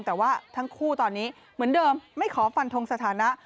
แต่ว่าทั้งคู่ตอนนี้เหมือนเดิมไม่ขอฟันทงสถานะ